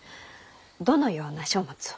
どのような書物を？